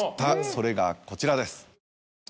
それがこちらです。